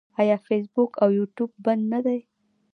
آیا فیسبوک او یوټیوب بند نه دي؟